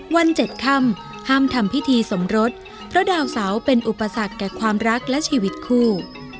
๗ค่ำห้ามทำพิธีสมรสเพราะดาวเสาเป็นอุปสรรคแก่ความรักและชีวิตคู่